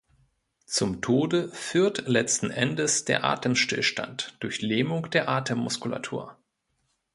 Zum Tode führt letzten Endes der Atemstillstand durch Lähmung der Atemmuskulatur.